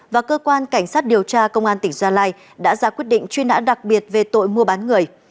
và cơ quan cảnh sát điều tra công an tỉnh gia lai đã ra quyết định truy nã đặc biệt về tội mua bán người